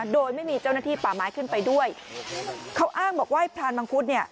โดยไม่มีเจ้าหน้าที่ป่าไม้ขึ้นไปด้วยเขาอ้างบอกว่าให้พรานมังคุดเนี่ย